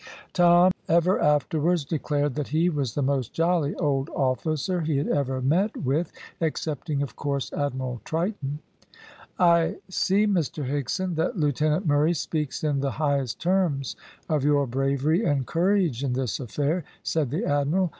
Tom ever afterwards declared that he was the most jolly old officer he had ever met with excepting, of course, Admiral Triton. "I see, Mr Higson, that Lieutenant Murray speaks in the highest terms of your bravery and courage in this affair," said the admiral.